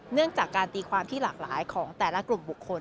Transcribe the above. เนื่องจากการตีความที่หลากหลายของแต่ละกลุ่มบุคคล